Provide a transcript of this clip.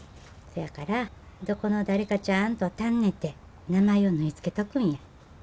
そやからどこの誰かちゃんと尋ねて名前を縫い付けとくんや。